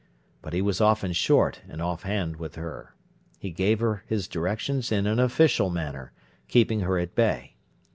But he was often short and offhand with her. He gave her his directions in an official manner, keeping her at bay.